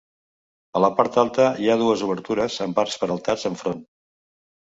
A la part alta hi ha dues obertures amb arcs peraltats enfront.